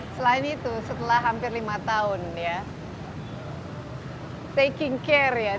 selain itu setelah hampir lima tahun ya taking care ya